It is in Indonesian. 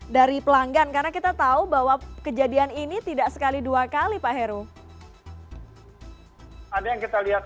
dari pelanggan karena kita tahu bahwa kejadian ini tidak sekali dua kali pak heru ada yang kita lihat